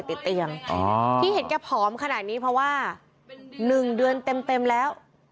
ติดเตียงที่เห็นแกผอมขนาดนี้เพราะว่า๑เดือนเต็มแล้ว